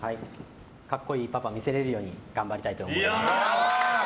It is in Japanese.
格好いいパパ見せられるように頑張りたいと思います。